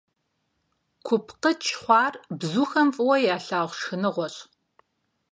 КупкъыкӀ хъуар бзухэм фӀыуэ ялъагъу шхыныгъуэщ.